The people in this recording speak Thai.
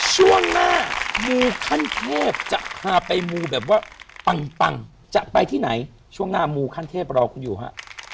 ช่วงหน้ามูขั้นเทพจะพาไปมูแบบว่าปังจะไปที่ไหนช่วงหน้ามูขั้นเทพรอคุณอยู่ฮะ